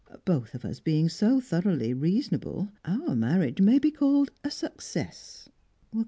Both of us being so thoroughly reasonable, our marriage may be called a success."